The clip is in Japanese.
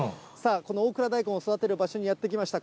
この大蔵大根を育てる場所にやって来ました。